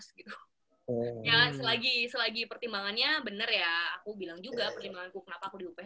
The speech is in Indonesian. ya selagi pertimbangannya bener ya aku bilang juga pertimbanganku kenapa aku di uph